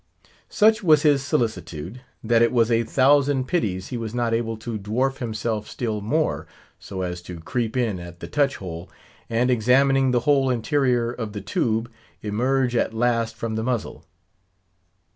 Such was his solicitude, that it was a thousand pities he was not able to dwarf himself still more, so as to creep in at the touch hole, and examining the whole interior of the tube, emerge at last from the muzzle.